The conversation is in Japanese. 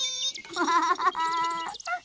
アハハハハ。